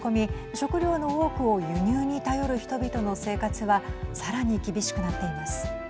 食料の多くを輸入に頼る人々の生活はさらに厳しくなっています。